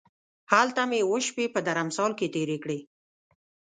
هلته مې اووه شپې په درمسال کې تېرې کړې.